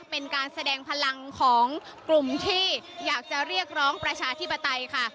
เป็นการแสดงพลังของกลุ่มที่อยากจะเรียกร้องประชาธิปไตยค่ะ